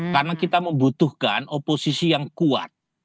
karena kita membutuhkan oposisi yang kuat